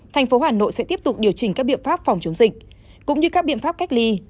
thành phố hà nội sẽ tiếp tục điều chỉnh các biện pháp phòng chống dịch cũng như các biện pháp cách ly